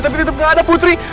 tapi tetep gak ada putri